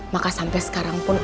maka sampai sekarang pun